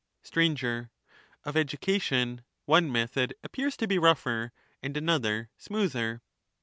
Sir. Of education, one method appears to be rougher, and another smoother.